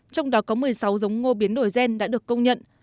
trong đó có một mươi sáu giống ngô biến đổi gen đã được công nhận